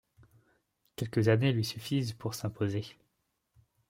Quelques années lui suffisent pour s’imposer.